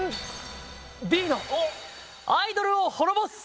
Ｂの「アイドルを滅ぼす」！